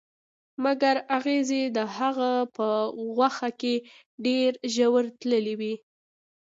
مګر اغزي د هغه په غوښه کې ډیر ژور تللي وو